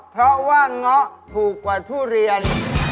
เพราะว่าเงาะถูกกว่าทุเรียน